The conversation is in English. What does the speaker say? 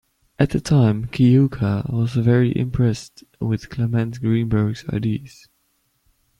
At the time, Kiyooka was very impressed with Clement Greenberg's ideas.